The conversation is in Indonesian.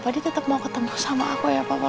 tadi tetap mau ketemu sama aku ya papa